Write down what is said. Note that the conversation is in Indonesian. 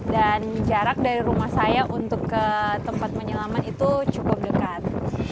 dan jarak dari rumah saya untuk ke tempat penyelaman itu cukup dekat